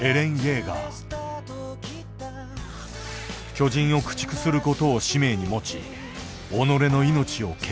巨人を駆逐することを使命に持ち己の命を削る。